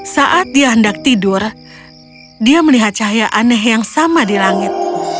saat dia hendak tidur dia melihat cahaya aneh yang sama di langit